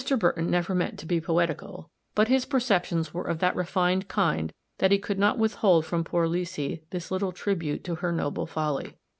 Burton never meant to be poetical, but his perceptions were of that refined kind that he could not withhold from poor Leesy this little tribute to her noble folly.